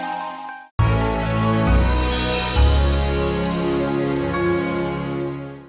kayaknya mau di saat uz clair